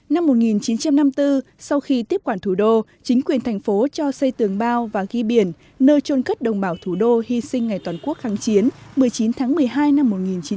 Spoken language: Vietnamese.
năm một nghìn chín trăm năm mươi bốn sau khi tiếp quản thủ đô chính quyền thành phố cho xây tường bao và ghi biển nơi trôn cất đồng bào thủ đô hy sinh ngày toàn quốc kháng chiến một mươi chín tháng một mươi hai năm một nghìn chín trăm bảy mươi năm